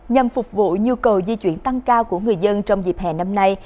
nhằm phục vụ nhu cầu di chuyển tăng cao của người dân trong dịp hè năm nay